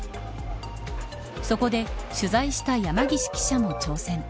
そこで取材した山岸記者も挑戦。